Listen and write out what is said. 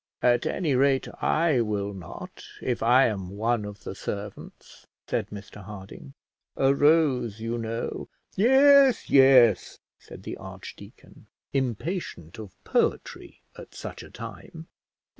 "At any rate I will not if I am one of the servants," said Mr Harding. "A rose, you know " "Yes, yes," said the archdeacon, impatient of poetry at such a time.